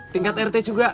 tingkat rt juga